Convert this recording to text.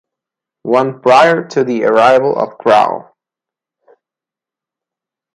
One prior to the arrival of Gral.